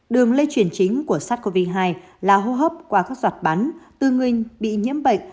đường lây chuyển chính của sars cov hai là hô hấp qua các giọt bắn tư nguyên bị nhiễm bệnh